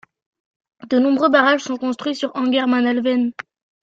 De nombreux barrages sont construits sur Ångermanälven.